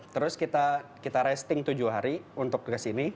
terus kita rasting tujuh hari untuk kesini